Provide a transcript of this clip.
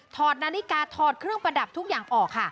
นาฬิกาถอดเครื่องประดับทุกอย่างออกค่ะ